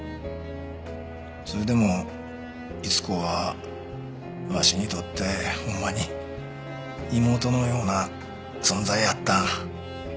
それでも伊津子はわしにとってほんまに妹のような存在やった。